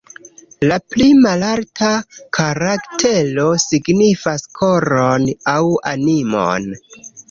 La pli malalta karaktero signifas "koron" aŭ "animon".